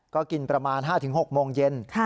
ก็กินประมาณ๕๖โมงเย็น